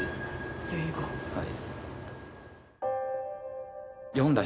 はい。